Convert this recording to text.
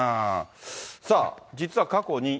さあ、実は過去に。